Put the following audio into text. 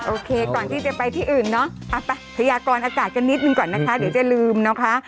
โอเคก่อนที่จะไปที่อื่นเนาะไปพยากรอากาศกันนิดหนึ่งก่อนนะคะเดี๋ยวจะลืมนะคะ